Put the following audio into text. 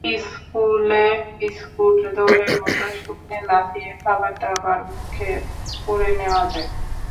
স্কুলে বিস্কুট দৌড়ের মতো শূন্যে লাফিয়ে খাবারদাবার মুখে পুরে নেওয়া যায়।